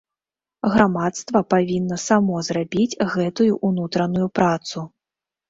Грамадства павінна само зрабіць гэтую ўнутраную працу.